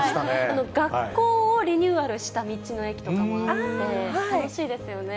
学校をリニューアルした道の駅とかもあって、楽しいですよね。